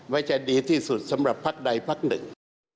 ว่าจะดีที่สุดสำหรับพักใดพักหนึ่ง